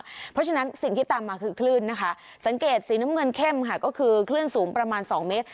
เพราะฉะนั้นสิ่งที่ตามมาคือคลื่นนะคะสังเกตสีน้ำเงินเข้มค่ะก็คือคลื่นสูงประมาณ๒เมตร